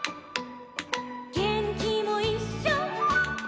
「げんきもいっしょ」